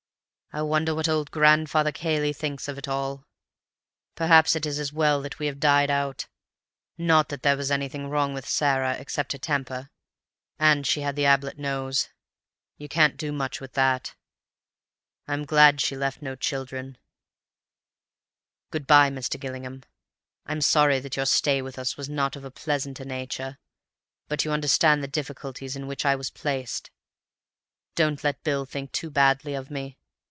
I wonder what old Grandfather Cayley thinks of it all. Perhaps it is as well that we have died out. Not that there was anything wrong with Sarah—except her temper. And she had the Ablett nose—you can't do much with that. I'm glad she left no children. "Good bye, Mr. Gillingham. I'm sorry that your stay with us was not of a pleasanter nature, but you understand the difficulties in which I was placed. Don't let Bill think too badly of me.